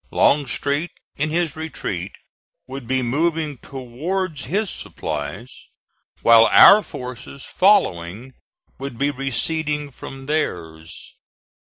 Longstreet, in his retreat, would be moving towards his supplies, while our forces, following, would be receding from theirs.